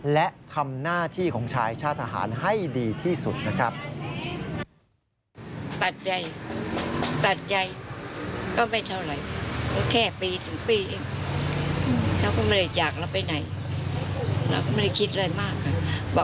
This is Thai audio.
และทำหน้าที่ของชายชาติทหารให้ดีที่สุดนะครับ